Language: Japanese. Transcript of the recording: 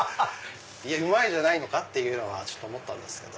うまいじゃないのか！って思ったんですけど。